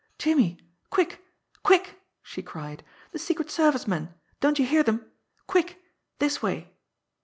"Jimmie! Quick! Quick!" she cried. "The Secret Service men! Don't you hear them? Quick! This way!"